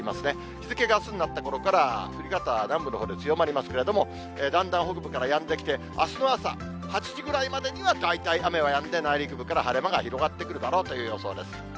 日付があすになったころから、降り方、南部のほうで強まりますけれども、だんだん北部からやんできて、あすの朝、８時ぐらいまでには大体雨はやんで、内陸部から晴れ間が広がってくるだろうという予想です。